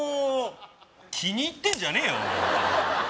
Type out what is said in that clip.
気に入ってんじゃねえよ